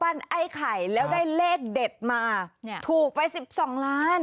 ไอ้ไข่แล้วได้เลขเด็ดมาถูกไปสิบสองล้าน